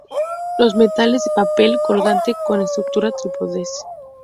Los metates de panel colgante son estructuras trípodes.